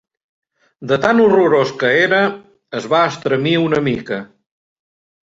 De tan horrorós que era, es va estremir una mica.